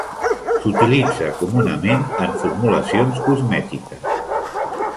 S'utilitza comunament en formulacions cosmètiques.